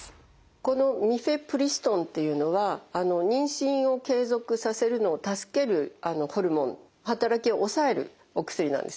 このミフェプリストンっていうのは妊娠を継続させるのを助けるホルモンの働きを抑えるお薬なんですね。